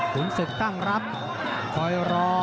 ศึกตั้งรับคอยรอ